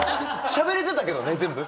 しゃべれてたけどね全部。